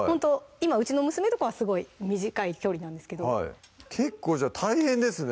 今うちの娘とかはすごい短い距離なんですけど結構じゃあ大変ですね